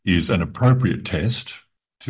adalah tes yang tepat